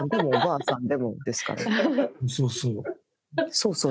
そうそう。